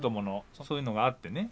そういうのがあってね。